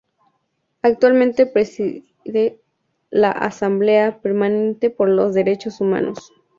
Actualmente preside la Asamblea Permanente por los Derechos Humanos.